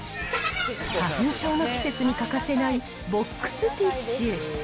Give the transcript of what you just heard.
花粉症の季節に欠かせないボックスティッシュ。